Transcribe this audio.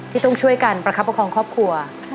ที่ต้องช่วยกันประคับประคองครอบครัว